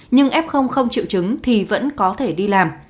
nhưng f không triệu chứng thì vẫn có thể đi làm